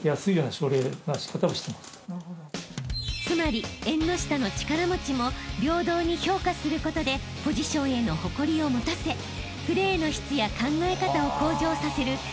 ［つまり縁の下の力持ちも平等に評価することでポジションへの誇りを持たせプレーの質や考え方を向上させる］